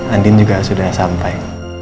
andin juga sudah sampai